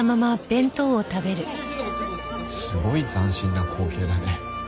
すごい斬新な光景だね。